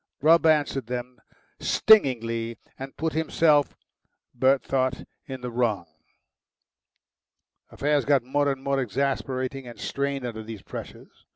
Grubb answered them stingingly, and put himself, Bert thought, in the wrong. Affairs got more and more exasperating and strained under these pressures.